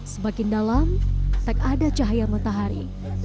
semakin dalam tak ada cahaya mentah hari